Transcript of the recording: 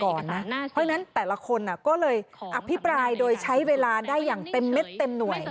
เพราะฉะนั้นแต่ละคนก็เลยอภิปรายโดยใช้เวลาได้อย่างเต็มเม็ดเต็มหน่วย